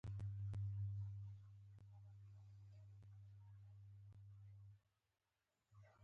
دا ګډې ځانګړنې له لرغوني بډای کلتور څخه سرچینه اخلي.